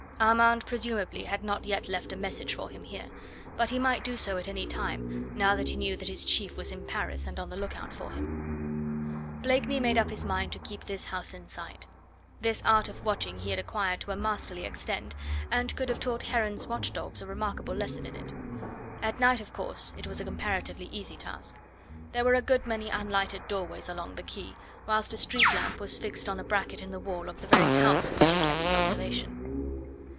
Armand presumably had not yet left a message for him here; but he might do so at any time now that he knew that his chief was in Paris and on the look out for him. Blakeney made up his mind to keep this house in sight. This art of watching he had acquired to a masterly extent, and could have taught Heron's watch dogs a remarkable lesson in it. At night, of course, it was a comparatively easy task. There were a good many unlighted doorways along the quay, whilst a street lamp was fixed on a bracket in the wall of the very house which he kept in observation.